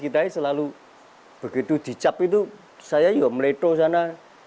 kita selalu begitu dicap itu saya meleto sana